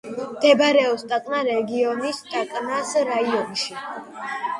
მდებარეობს ტაკნა რეგიონის, ტაკნას რაიონში.